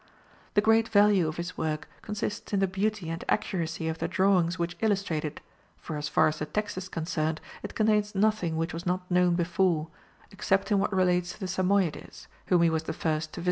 The great value of his work consists in the beauty and accuracy of the drawings which illustrate it, for as far as the text is concerned, it contains nothing which was not known before, except in what relates to the Samoyedes, whom he was the first to visit.